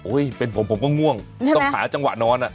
เป็นผมผมก็ง่วงต้องหาจังหวะนอน